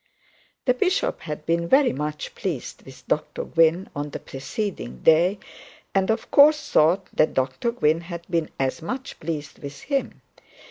The bishop had been very much pleased with Dr Gwynne on the preceding day, and of course thought that Dr Gwynne had been very much pleased with him.